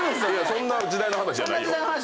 そんな時代の話じゃないよ。